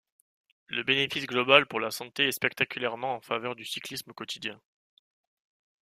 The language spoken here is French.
Le bénéfice global pour la santé est spectaculairement en faveur du cyclisme quotidien.